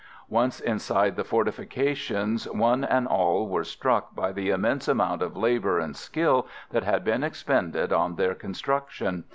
Once inside the fortifications one and all were struck by the immense amount of labour and skill that had been expended on their construction.